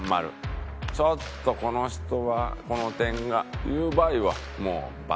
ちょっとこの人はこの点がという場合はもう「×」。